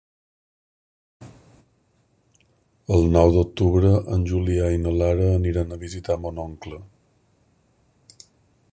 El nou d'octubre en Julià i na Lara aniran a visitar mon oncle.